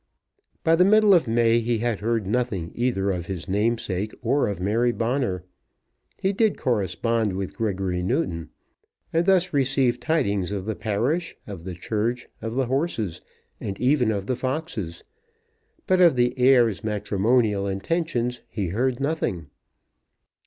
By the middle of May he had heard nothing either of his namesake or of Mary Bonner. He did correspond with Gregory Newton, and thus received tidings of the parish, of the church, of the horses, and even of the foxes; but of the heir's matrimonial intentions he heard nothing.